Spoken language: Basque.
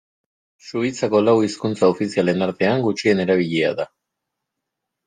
Suitzako lau hizkuntza ofizialen artean gutxien erabilia da.